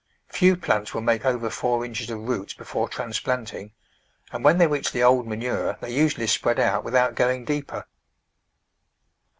Few plants will make over four inches of roots before transplanting, and when they reach the old manure they usually spread out without going deeper.